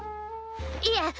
いえ！